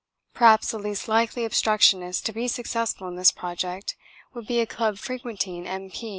Perhaps the least likely obstructionist to be successful in this project would be a club frequenting M.